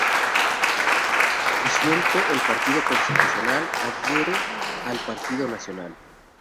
Disuelto el Partido Constitucional, adhiere al Partido Nacional.